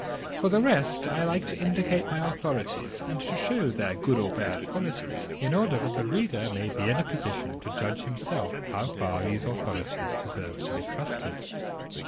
For the rest, I like to indicate my authorities and to show their good or bad qualities, in order that the reader may be in a position to judge himself how far these authorities deserve to be trusted.